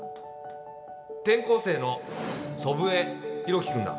転校生の祖父江広樹君だ